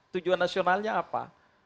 tujuan nasionalnya apa